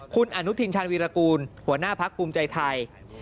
คุณอนุทินชาญวีรกูลหัวหน้าพักภูมิใจไทย